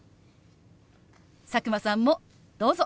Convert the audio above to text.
佐久間さんもどうぞ！